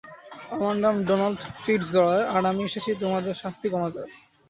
আমার নাম Donald Fitzroy, আর আমি এসেছি তোমার শাস্তি কমাতে।